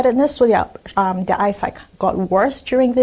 jadi kekurangan mata mereka menjadi lebih buruk dalam delapan tahun ini